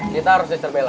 kita harus dicerbela